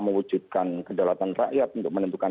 mewujudkan kedaulatan rakyat untuk menentukan